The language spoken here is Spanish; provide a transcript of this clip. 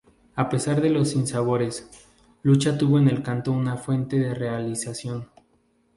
A pesar de los sinsabores, Lucha tuvo en el canto una fuente de realización.